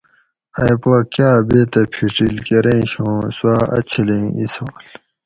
اے پا کا بیتہ پِھڛیل کرینش ہو سوا اچھلیں اِسال